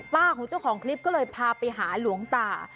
ของเจ้าของคลิปก็เลยพาไปหาหลวงตา